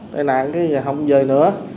tai nạn cái giờ không về nữa